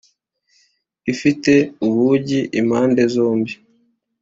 ifite ubugi impande zombi